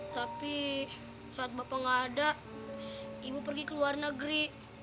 tapi saat bapak nggak ada ibu pergi ke luar negeri